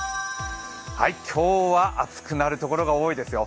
今日は暑くなるところが多いですよ。